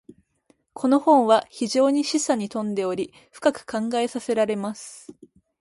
•この本は非常に示唆に富んでおり、深く考えさせられます。